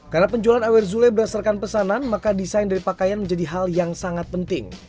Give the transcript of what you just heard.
karena penjualan awerzule berdasarkan pesanan maka desain dari pakaian menjadi hal yang sangat penting